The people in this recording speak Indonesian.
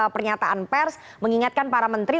pernyataan pers mengingatkan para menteri